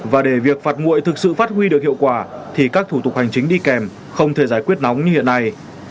và để việc phạt nguội thực sự phát huy được hiệu quả thì các thủ tục hành chính đi kèm không thể giải quyết nóng như hiện nay